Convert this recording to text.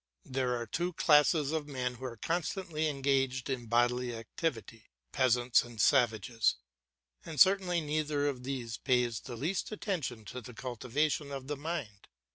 There are two classes of men who are constantly engaged in bodily activity, peasants and savages, and certainly neither of these pays the least attention to the cultivation of the mind.